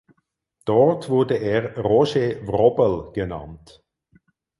Dort wurde er Roger Wrobel genannt.